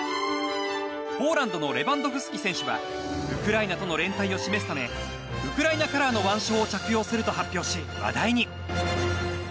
ポーランドのレバンドフスキ選手はウクライナとの連帯を示すためウクライナカラーの腕章を着用すると発表し、話題に。